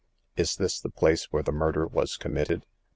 " Is this the place where the murder was committed